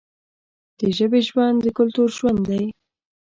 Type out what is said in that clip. د ژبې ژوند د کلتور ژوند دی.